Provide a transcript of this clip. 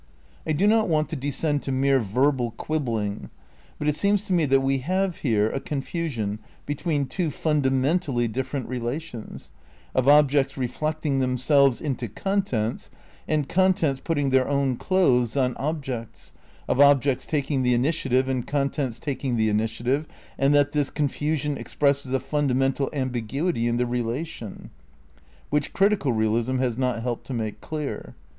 I do not want to descend to mere verbal quibbling, but it seems to me that we have here a confusion between two fundamentally different rela tions, of objects reflecting themselves into contents, and contents putting their own clothes on objects, of objects taking the initiative and contents taking the initiative, and that this confusion expresses a fundamental ambig uity in the relation, which critical realism has not helped to make clear.